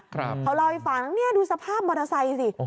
เขาเล่าให้ฟังเนี่ยดูสภาพมอเตอร์ไซค์สิ